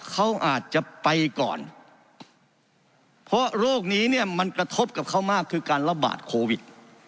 เขาอาจจะไปก่อนเพราะโรคนี้เนี่ยมันกระทบกับเขามากคือการระบาดโควิด